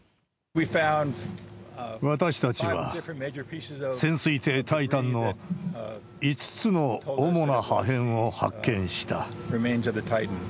私たちは潜水艇タイタンの５つの主な破片を発見した。